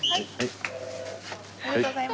はい！